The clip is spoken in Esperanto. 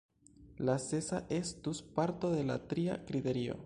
La sesa estus parto de la tria kriterio.